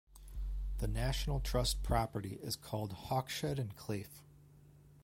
The National Trust property is called Hawkshead and Claife.